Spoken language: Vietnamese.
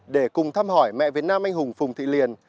để cùng thăm hỏi mẹ việt nam anh hùng phùng thị liền